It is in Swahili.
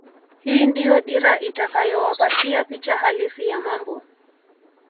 Hii ndio dira itakayowapatia picha halisi ya mambo